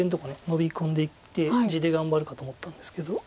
ノビ込んでいって地で頑張るかと思ったんですけど。